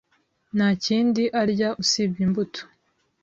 Nta kindi arya usibye imbuto.